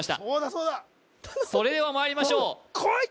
そうだそれではまいりましょうこい！